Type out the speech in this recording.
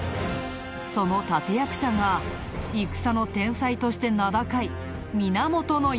その立役者が戦の天才として名高い源義経。